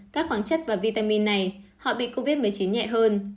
các khoáng chất và vitamin này họ bị covid một mươi chín nhẹ hơn